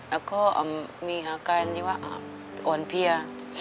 แล้วก็มีอาการที่ว่าอ่อนเพลีย